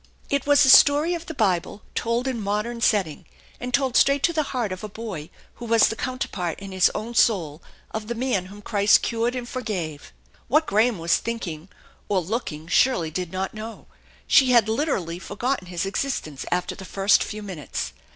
It was a story of the Bible told in modern setting, and told straight to the heart of a boy who was the counter part in his own soul of the man whom Christ cured and for gave. What Graham was thinking or looking Shirley did not know. She had literally forgotten his existence after the first few minutes.